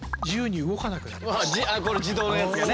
自動のやつがね。